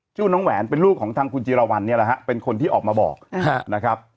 ชื่อน้องแหวนเป็นลูกของทางคุณจีรวรรณเนี่ยแหละฮะเป็นคนที่ออกมาบอกนะครับ